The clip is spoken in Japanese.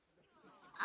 あ。